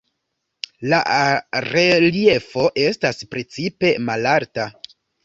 La "reliefo" estas precipe malalta.